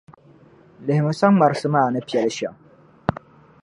Lihimi saŋmarsi maa ni Piɛl' shɛm.